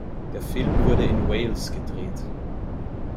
Der Film wurde in Wales gedreht.